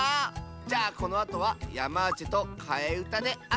じゃあこのあとはヤマーチェとかえうたであそぶよ！